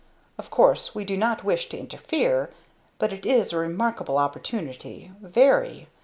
Of course we do not wish to interfere, but it is a remarkable opportunity very.